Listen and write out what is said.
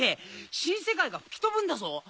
新世界が吹き飛ぶんだぞ。